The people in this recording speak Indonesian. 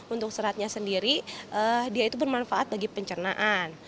untuk seratnya sendiri dia itu bermanfaat bagi pencernaan